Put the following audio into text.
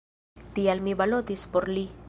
Tial mi balotis por li.